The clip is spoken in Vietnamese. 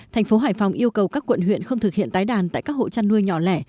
thành phố hải phòng yêu cầu các quận huyện không thực hiện tái đàn tại các hộ chăn nuôi nhỏ lẻ